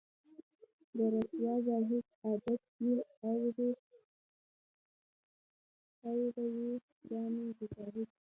د رســــــوا زاهـــــد عـــــــادت دی اوروي کاڼي د زهد